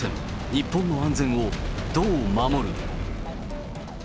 日本の安全をどう守る。